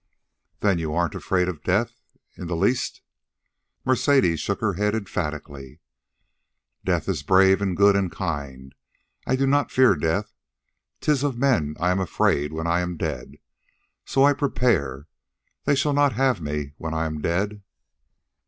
"Then you aren't afraid of death?... in the least?" Mercedes shook her head emphatically. "Death is brave, and good, and kind. I do not fear death. 'Tis of men I am afraid when I am dead. So I prepare. They shall not have me when I am dead."